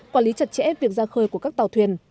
quản lý chặt chẽ việc ra khơi của các tàu thuyền